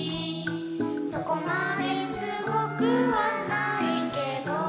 「そこまですごくはないけど」